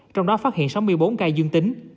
trong đó phát hiện sáu mươi bốn ca dương tính